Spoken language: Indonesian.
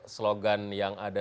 slogan yang ada